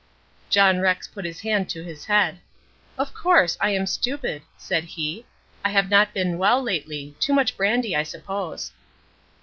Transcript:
John Rex put his hand to his head. "Of course I am stupid," said he. "I have not been well lately. Too much brandy, I suppose."